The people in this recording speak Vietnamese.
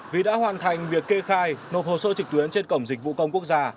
vì đã hoàn thành việc kê khai nộp hồ sơ trực tuyến trên cổng dịch vụ công quốc gia